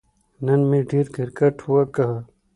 نن مې ډېر کیرکټ وکه